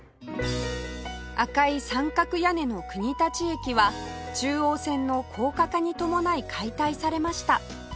赤い三角屋根の国立駅は中央線の高架化に伴い解体されました